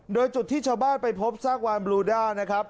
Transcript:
โดยจุดที่ชาวบ้านไปพบซากวานบลูด้านะครับ